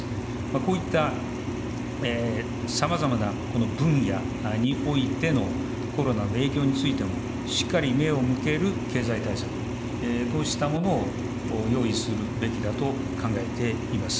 こういったさまざまなこの分野においてのコロナの影響についても、しっかり目を向ける経済対策、こうしたものを用意するべきだと考えています。